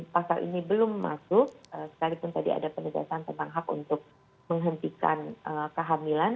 pasal ini belum masuk sekalipun tadi ada penegasan tentang hak untuk menghentikan kehamilan